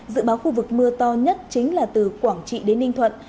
dự báo khu vực mưa to nhất chính là từ quảng trị đến ninh thuận